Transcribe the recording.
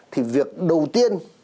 thì việc đầu tiên